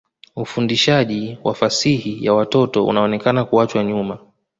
Ufundishaji wa fasihi ya watoto unaonekana kuachwa nyuma.